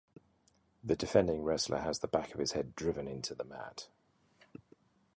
The defending wrestler has the back of his head driven into the mat.